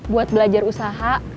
buat belajar usaha